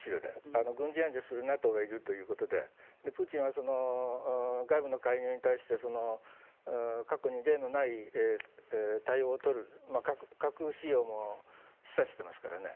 軍事援助するＮＡＴＯがいるということでプーチンは外部の介入に対して過去に例のない対応を取る核使用も示唆してますからね。